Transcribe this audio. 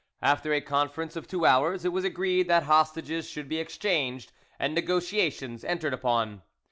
After a conference of two hours, it was agreed that hostages should be exchanged and negotiations entered upon.